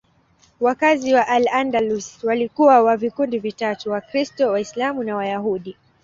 Wakazi wa Al-Andalus walikuwa wa vikundi vitatu: Wakristo, Waislamu na Wayahudi.